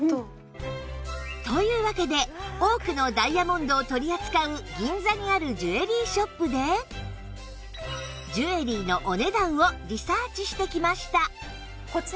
というわけで多くのダイヤモンドを取り扱う銀座にあるジュエリーショップでジュエリーのお値段をリサーチしてきました